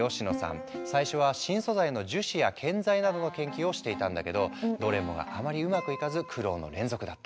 最初は新素材の樹脂や建材などの研究をしていたんだけどどれもがあまりうまくいかず苦労の連続だった。